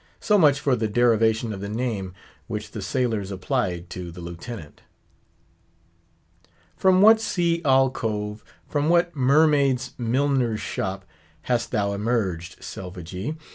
So much for the derivation of the name which the sailors applied to the Lieutenant. From what sea alcove, from what mermaid's milliner's shop, hast thou emerged, Selvagee!